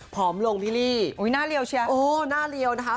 อมลงพี่ลี่อุ้ยหน้าเรียวเชียโอ้หน้าเรียวนะคะ